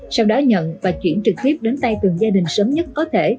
sau đó nhận và chuyển trực tiếp đến tay từng gia đình sớm nhất có thể